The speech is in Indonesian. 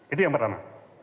itu yang pertama